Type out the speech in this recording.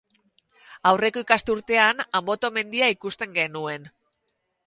Aurreko ikasturtean Anboto mendia ikusten genuen.